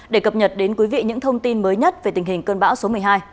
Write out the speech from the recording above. để cập nhật đến quý vị những thông tin mới nhất về tình hình cơn bão số một mươi hai